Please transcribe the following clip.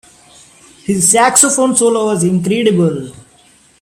His saxophone solo was incredible.